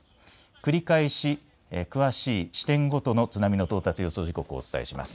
繰り返し詳しい地点ごとの津波の到達予想時刻をお伝えします。